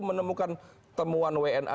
menemukan temuan una